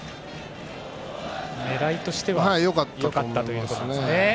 狙いとしてはよかったということですね。